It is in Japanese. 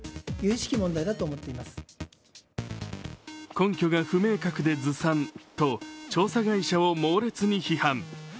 根拠が不明確でずさんと調査会社を猛烈に批判。